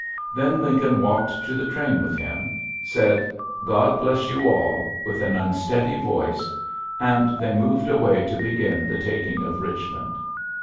Then Lincoln walked to the train with him, said, "Gtod bless you all !" with an un steady voice, and they moved away to begin the taking of Eichmond.